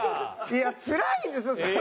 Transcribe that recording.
いやつらいんですよ。